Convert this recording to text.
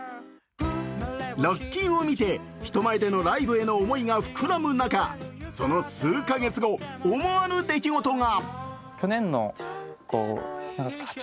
ロッキンを見て人前でのライブの思いが膨らむ中、その数か月後、思わぬ出来事が。